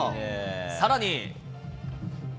さらに。